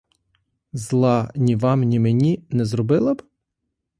Зла ні вам ні мені не зробила б?